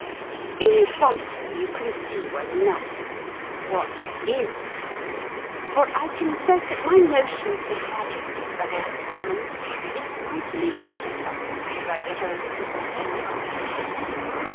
In the front row you can see well enough what there is to be seen, for I confess that my notion of the majesty of the House of Commons is mightily modified since I beheld it with my own eyes.